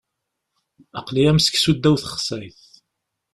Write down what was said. Aql-i am seksu ddaw texsayt.